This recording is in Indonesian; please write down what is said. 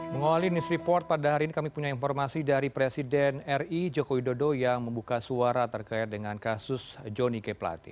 mengawali news report pada hari ini kami punya informasi dari presiden ri joko widodo yang membuka suara terkait dengan kasus joni g plate